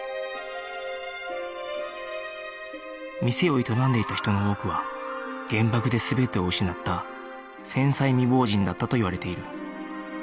店を営んでいた人の多くは原爆で全てを失った戦災未亡人だったといわれている